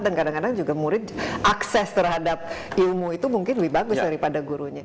dan juga murid akses terhadap ilmu itu mungkin lebih bagus daripada gurunya